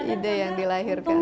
ide yang dilahirkan